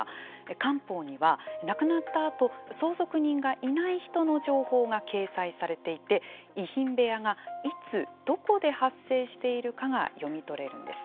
官報には亡くなったあと相続人がいない人の情報が掲載されていて遺品部屋がいつ、どこで発生しているかが読み取れるんです。